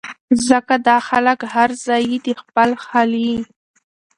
ځکه دا خلک هر ځائے د خپلې خلې